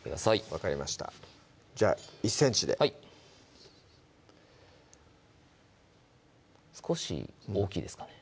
分かりましたじゃあ１ｃｍではい少し大きいですかね